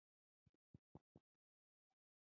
زه د سپیم پیغامونه حذف کوم.